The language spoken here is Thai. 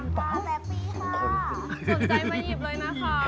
สนใจมาหยิบเลยนะคะ